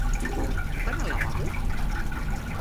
Puc anar al lavabo?